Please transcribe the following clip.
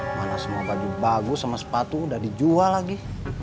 mana semua baju bagus sama sepatu udah dijual lagi